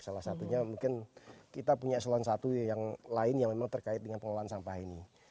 salah satunya mungkin kita punya eselon i yang lain yang memang terkait dengan pengelolaan sampah ini